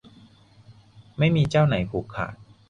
ไม่มีเจ้าไหนผูกขาด